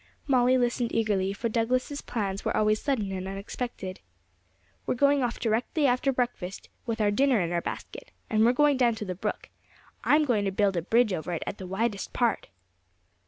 Molly listened eagerly, for Douglas's plans were always sudden and unexpected. 'We're going off directly after breakfast with our dinner in our basket, and we're going down to the brook. I'm going to build a bridge over it at the widest part!'